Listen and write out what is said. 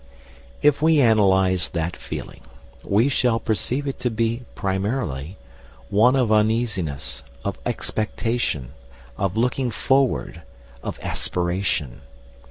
If we analyse that feeling, we shall perceive it to be, primarily, one of uneasiness, of expectation, of looking forward, of aspiration.